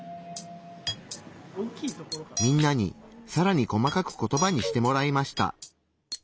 みんなにさらに細かくコトバにしてもらいました。